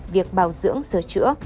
việc bảo dưỡng sửa chữa